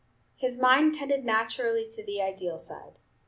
His mind tended naturally to the ideal side.